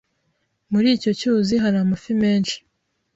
Muri icyo cyuzi hari amafi menshi.